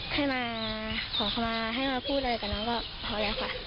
ให้มาขอเข้ามาให้มาพูดอะไรกับน้องก็พอแล้วค่ะ